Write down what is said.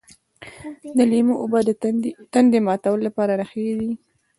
د لیمو اوبه د تندې ماتولو لپاره ښې دي.